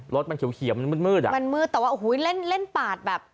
รถมันเขียวมันมืดอ่ะมันมืดแต่ว่าโอ้โหเล่นเล่นปาดแบบ